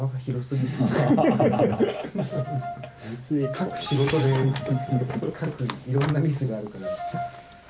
各仕事で各いろんなミスがあるから。